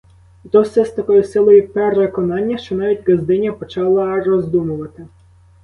І то все з такою силою переконання, що навіть ґаздиня почала роздумувати.